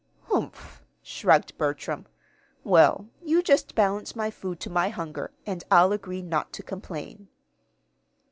"Humph!" shrugged Bertram. "Well, you just balance my food to my hunger, and I'll agree not to complain."